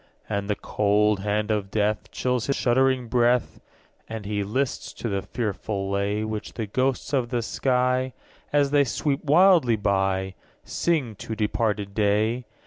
2. And the cold hand of death Chills his shuddering breath, As he lists to the fearful lay Which the ghosts of the sky, _10 As they sweep wildly by, Sing to departed day.